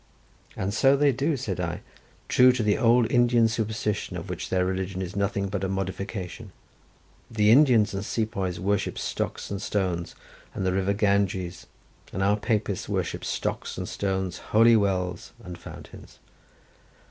"And so they do," said I, "true to the old Indian superstition, of which their religion is nothing but a modification. The Indians and sepoys worship stocks and stones, and the river Ganges, and our Papists worship stocks and stones, holy wells and fountains."